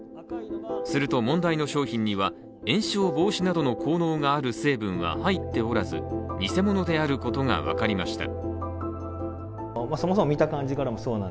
すると問題の商品には炎症防止などの効能がある成分は入っておらず偽物であることが分かりました。